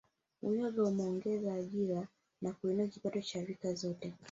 Uyoga umeongeza ajira na kuinua kipato kwa rika zote